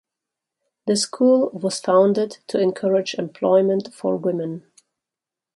The school was founded to encourage employment for women.